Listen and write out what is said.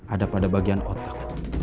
ada pada bagian otak